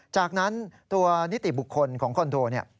จากนั้นตัวนิติบุคคลของคอนโทเนี่ย